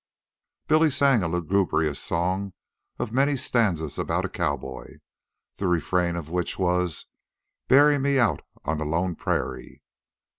Billy sang a lugubrious song of many stanzas about a cowboy, the refrain of which was, "Bury me out on the lone pr rairie."